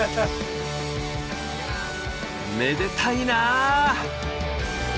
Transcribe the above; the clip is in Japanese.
めでたいな！